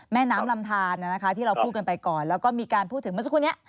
แม่น้ำลำทานที่เราพูดกันไปก่อนแล้วก็มีการพูดถึงเมื่อสักครู่นี้